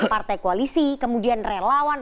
partai koalisi kemudian relawan